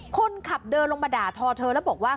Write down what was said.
คนขับเดินลงมาด่าทอเธอแล้วบอกว่า